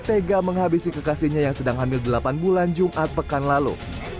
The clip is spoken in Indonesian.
tega menghabisi kekasihnya yang sedang hamil delapan bulan jumat pekan lalu